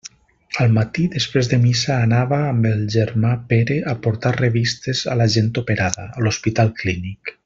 Al matí, després de missa, anava amb el germà Pere a portar revistes a la gent operada, a l'Hospital Clínic.